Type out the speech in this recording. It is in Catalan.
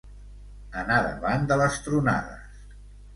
Anar davant de les tronades.